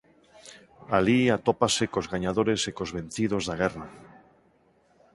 Alí atópase cos gañadores e cos vencidos da guerra.